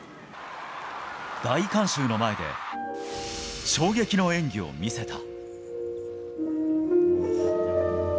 大観衆の前で、衝撃の演技を見せた。